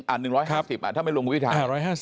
อ่ะ๑๕๐อ่ะถ้าไม่ลงวิทยาลัยอ่ะ๑๕๐